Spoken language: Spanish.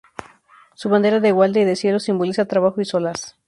Su bandera de gualda y de cielo simboliza trabajo y solaz.